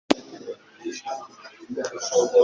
mu nyenga batazashobora kuvamo